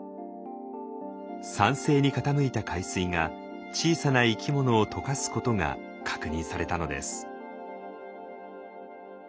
酸性に傾いた海水が小さな生き物を溶かすことが確認されたのです。